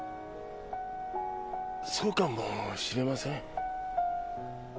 そうかもしれません。